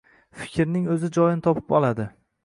Fikrning o’zi joyini topib oladi.